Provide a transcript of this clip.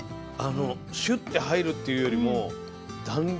シュッて入るっていうよりも弾力。